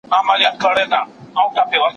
ټولنیز واقیعت د ټولنې د ګډو تجربو محصول دی.